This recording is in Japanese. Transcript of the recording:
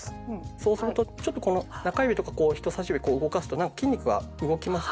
そうするとちょっとこの中指とか人さし指こう動かすとなんか筋肉が動きます？